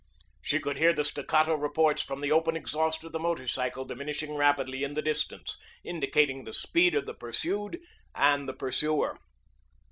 She could hear the staccato reports from the open exhaust of the motorcycle diminishing rapidly in the distance, indicating the speed of the pursued and the pursuer.